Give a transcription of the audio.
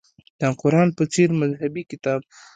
د قران په څېر مذهبي کتاب.